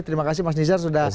terima kasih mas nizar sudah